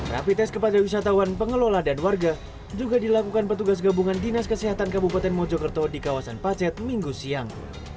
rapi tes kepada wisatawan pengelola dan warga juga dilakukan petugas gabungan dinas kesehatan kabupaten mojokerto di kawasan pacet minggu siang